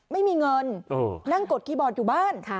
ไม่มีเงินนั่งกดคีย์บอร์ดอยู่บ้าน